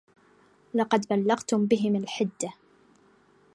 لقد بلغت بهم الحده